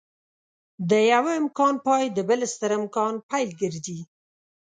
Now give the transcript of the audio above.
د يوه امکان پای د بل ستر امکان پيل ګرځي.